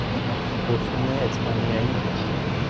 رسوم اسپانیایی